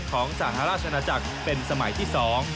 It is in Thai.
ของสหราชอาณาจักรเป็นสมัยที่๒